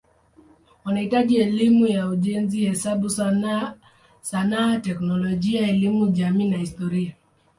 Wanahitaji elimu ya ujenzi, hesabu, sanaa, teknolojia, elimu jamii na historia.